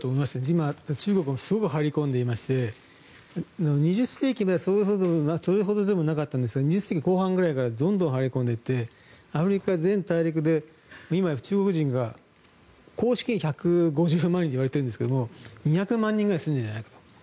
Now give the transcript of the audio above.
今、中国もすごく入り込んでいまして２０世紀まではそれほどでもなかったんですが２０世紀後半くらいからどんどん入り込んでいってアフリカ全大陸で今、中国人が公式に１５０万人といわれているんですが２００万人くらい住んでいるんじゃないかと。